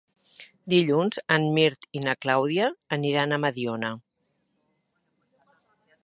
Dilluns en Mirt i na Clàudia aniran a Mediona.